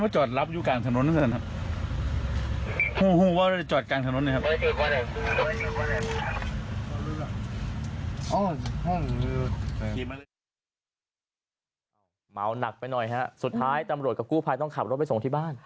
เมาหนักไปหน่อยฮะสุดท้ายตำรวจกับกู้ภัยต้องขับรถไปส่งที่บ้าน